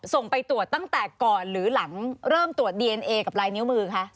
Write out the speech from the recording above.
ส่งไปตรวจตั้งแต่ก่อนหรือหลังเริ่มตรวจดีเอนเอกับลายนิ้วมือคะ